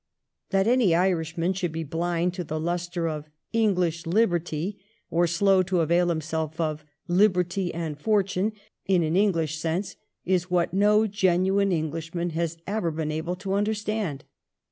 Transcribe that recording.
That any Irishman should be blind to the lustre of " English liberty," or slow to avail himself of " liberty and fortune " in an English sense is what no genuine Englishman has ever been able to understand.